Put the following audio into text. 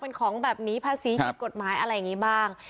เป็นของแบบนี้ภาษีผิดกฎหมายอะไรอย่างนี้บ้าง